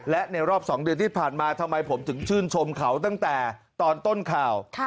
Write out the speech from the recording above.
และในรอบ๒เดือนที่ผ่านมาทำไมผมถึงชื่นชมเขาตั้งแต่ตอนต้นข่าว